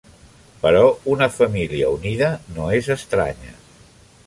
Però una família unida no és estranya.